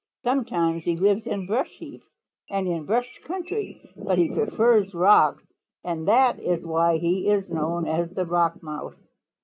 Sometimes he lives in brush heaps and in brushy country, but he prefers rocks, and that is why he is known as the Rock Mouse.